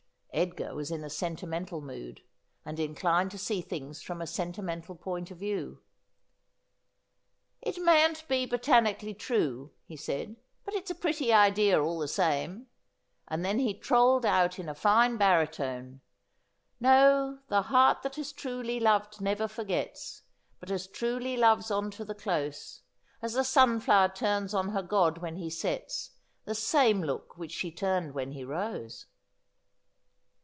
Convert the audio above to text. Edgar was in a sentimental mood, and inclined to see things from a sentimental point of view. ' It mayn't be botanically true,' he said, ' but it's a pretty idea all the same ;' and then he trolled out in a fiae baritone :' No, the heart that has truly loved never forgets, But as truly loves on to the close ; As the sunflower turns on her god, when he sets, The same look which she turned when he rose.'